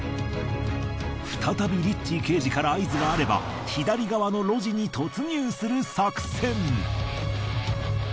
再びリッチー刑事から合図があれば左側の路地に突入する作戦。